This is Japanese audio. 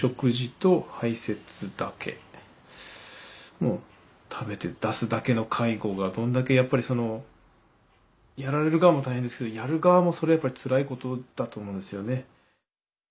もう食べて出すだけの介護がどんだけやっぱりそのやられる側も大変ですけどやる側もそれはやっぱりつらいことだと思うんですよね。